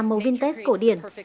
màu vintage cổ điển